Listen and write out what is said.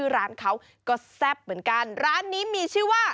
ดี